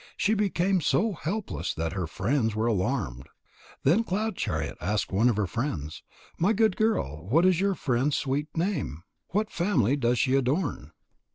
She became so helpless that her friends were alarmed. Then Cloud chariot asked one of her friends: "My good girl, what is your friend's sweet name? What family does she adorn?"